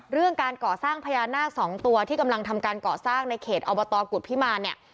เรื่องการก่อสร้างพญานาคสองตัวที่กำลังทำการก่อสร้างในเขตอบตกุฎพิมารเนี่ย